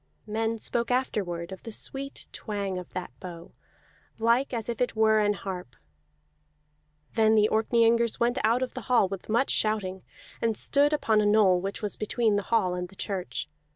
Men spoke afterward of the sweet twang of that bow, like as if it were an harp. Then the Orkneyingers went out of the hall with much shouting, and stood upon a knoll which was between the hall and the church.